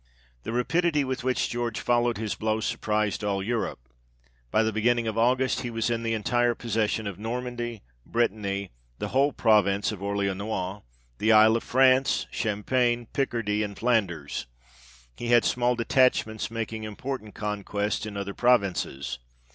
The rapidity with which George followed his blow surprised all Europe. By the beginning of August he was in the entire possession of Normandy, Brittany, the whole province of Orleanois, the Isle of France, Cham pagne, Picardie, and Flanders. He had small detach ments making important conquests in other provinces.